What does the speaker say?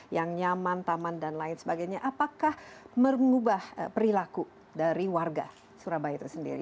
yang nyaman taman dan lain sebagainya apakah mengubah perilaku dari warga surabaya itu sendiri